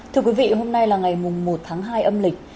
thưa quý vị hôm nay là ngày một tháng hai âm lịch